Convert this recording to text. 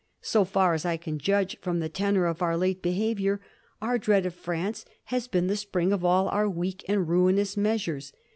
... So far as I can judge from the tenor of our late behavior, our dread of France has been the spring of all our weak and ruinous measures.